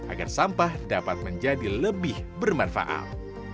agar sampah dapat menjadi lebih bermanfaat